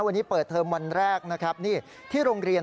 วันนี้เปิดวันแรกที่โรงเรียน